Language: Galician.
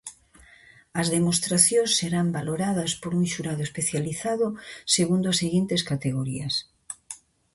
As demostracións serán valoradas por un xurado especializado, segundo as seguintes categorías: